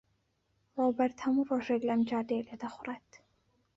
ڕۆبەرت هەموو ڕۆژێک لەم جادەیە لێدەخوڕێت.